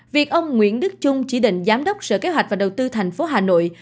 việc ông nguyễn đức trung chỉ định giám đốc sở kế hoạch và đầu tư thành phố hà nội